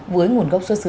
với nguồn gốc sạch